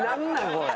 これ。